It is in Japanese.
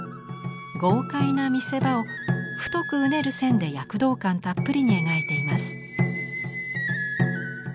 豪快な見せ場を太くうねる線で躍動感たっぷりに描いています。